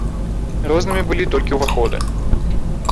Рознымі былі толькі ўваходы.